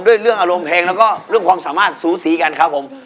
เรื่องอารมณ์เพลงแล้วก็เรื่องความสามารถสูสีกันครับผม